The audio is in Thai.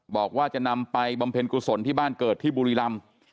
บอกว่าจะนำไปบำเพ็ญกุศลที่บ้านเกิดที่บุรีรำ